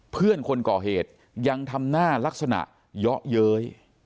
เพื่อนคนก่อเหตุยังทำหน้าลักษณะเยาะเย้ย